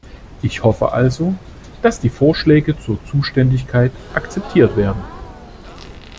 Ich hoffe also, dass die Vorschläge zur Zuständigkeit akzeptiert werden.